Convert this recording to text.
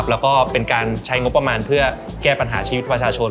แล้วก็เป็นการใช้งบประมาณเพื่อแก้ปัญหาชีวิตประชาชน